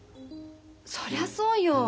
そりゃそうよ。